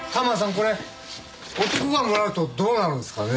これ男がもらうとどうなるんですかね？